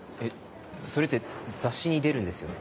それって雑誌に出るんですよね？